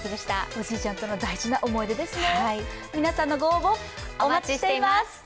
おじいちゃんとの大事な思い出ですね。